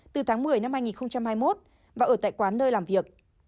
từ tháng một mươi năm hai nghìn hai mươi một và ở tại quán nơi làm việc